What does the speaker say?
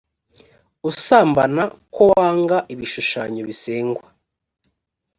usambana ko wanga ibishushanyo bisengwa